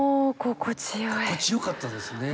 心地良かったですね。